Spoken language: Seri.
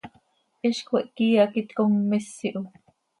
Hiz cöiihca íi hac itcommís iho.